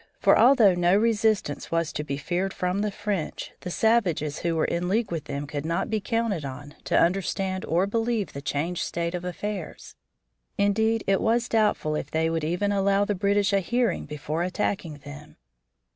For, although no resistance was to be feared from the French, the savages who were in league with them could not be counted on to understand or believe the changed state of affairs. Indeed, it was doubtful if they would even allow the British a hearing before attacking them.